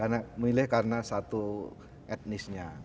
memilih karena satu etnisnya